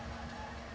berat dikerjakan iya